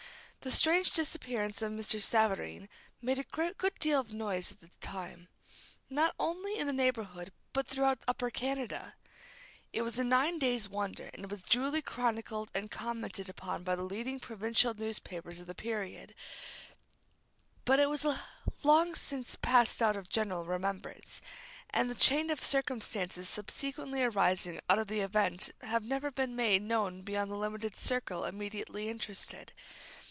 The strange disappearance of Mr. Savareen made a good deal of noise at the time, not only in the neighborhood, but throughout Upper Canada. It was a nine days' wonder, and was duly chronicled and commented upon by the leading provincial newspapers of the period; but it has long since passed out of general remembrance, and the chain of circumstances subsequently arising out of the event have never been made known beyond the limited circle immediately interested.